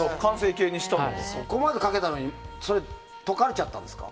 そこまでかけたのに解かれちゃったんですか？